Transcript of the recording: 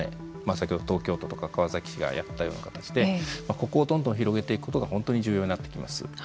先ほど東京都とか川崎市がやったような形でここをどんどん広げていくことが本当に重要になってきます。